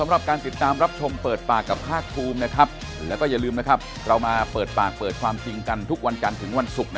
ให้ทำเรื่องขึ้นมาให้สสก็ลงชื่อกัน